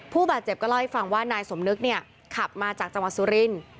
ผู้บาดเจ็บก็เล่าให้ฟังว่านายสมนึกเนี่ยขับมาจากจังหวัดสุรินทร์